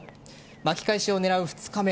巻き返しを狙う２日目。